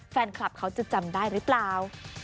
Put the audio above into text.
แฟนคลับเขาจะจำได้หรือเปล่า